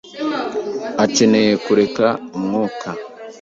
akeneye kureka umwuka.